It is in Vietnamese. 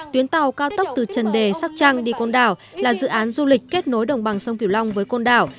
tuyến tàu cao tốc từ trần đề sóc trăng đi côn đảo là dự án du lịch kết nối đồng bằng sông kiểu long với côn đảo